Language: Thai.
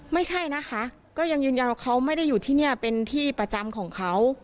ไม่ใช่นะคะก็ยังยืนยันว่าเขาไม่ได้อยู่ที่นี่เป็นที่ประจำของเขา